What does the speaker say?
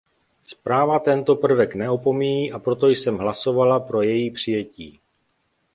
Zpráva tento prvek neopomíjí, proto jsem hlasovala pro její přijetí.